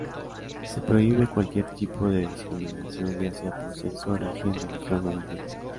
Se prohíbe cualquier tipo de discriminación, ya sea por sexo, origen, religión o idioma.